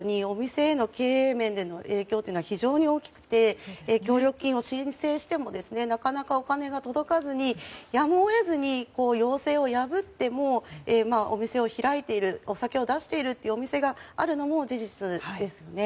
一方で経済的な面を考えるとおっしゃったようにお店への経営面での影響は非常に大きくて協力金を申請してもなかなかお金が届かずにやむを得ず、要請を破ってもお店を開いているお酒を出しているお店があるのも事実ですよね。